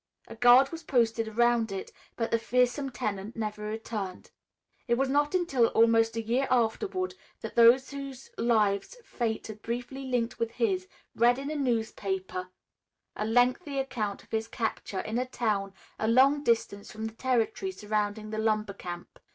A guard was posted around it, but the fearsome tenant never returned. It was not until almost a year afterward that those whose lives fate had briefly linked with his, read in a newspaper a lengthy account of his capture in a town a long distance from the territory surrounding the lumber camp.